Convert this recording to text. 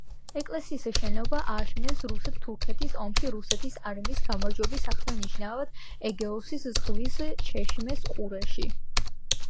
ეკლესიის შენობა ააშენეს რუსეთ-თურქეთის ომში რუსეთის არმიის გამარჯვების აღსანიშნავად ეგეოსის ზღვის ჩეშმეს ყურეში.